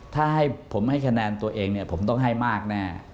ถ้าให้ผมให้คะแนนตัวเองเนี่ยผมต้องให้มากแน่